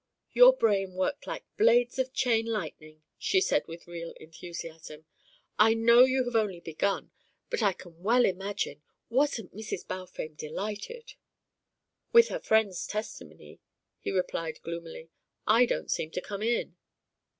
"Your brain worked like blades of chain lightning," she said with real enthusiasm. "I know you have only begun, but I can well imagine wasn't Mrs. Balfame delighted?" "With her friends' testimony," he replied gloomily. "I don't seem to come in."